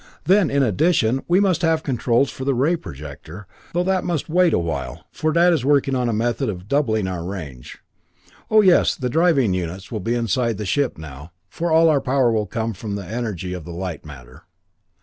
Then, in addition, we must have controls for the ray projector, though that must wait a while, for Dad is working on a method of doubling our range.... Oh yes, the driving units will be inside the ship now, for all our power will come from the energy of the light matter."